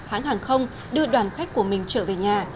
hãng hàng không đưa đoàn khách của mình trở về nhà